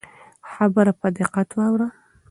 خبره په دقت واوره.